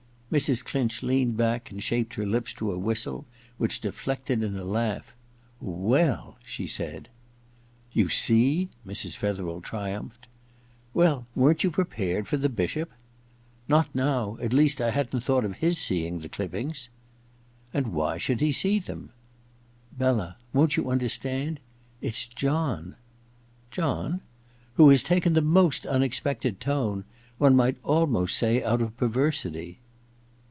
* Mrs. Clinch leaned back and shaped her lips to a whistie which deflected in a laugh. * Well 1 * she said. * You see !* Mrs. Fetherel triumphed. * Well — weren*t you prepared for the Bishop?* ^ Not now — at least, I hadn*t thought of his seeing the clippings.* * And why should he see them ?Bella — worCt you understand ? It*s John.* ^John?* ^ Who has taken the most unexpected tone — one might almost say out of perversity.